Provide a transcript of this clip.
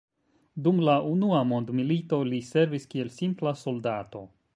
Dum la unua mondmilito li servis kiel simpla soldato.